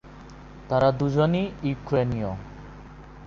তারা দুজনেই ইউক্রেনীয়।